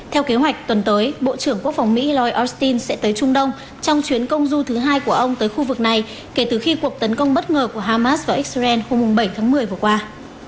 theo kế hoạch tuần tới bộ trưởng quốc phòng mỹ lloyd austin sẽ tới trung đông trong chuyến công du thứ hai của ông tới khu vực này kể từ khi cuộc tấn công bất ngờ của hamas vào israel hôm bảy tháng một mươi vừa qua